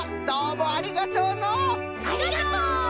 ありがとう！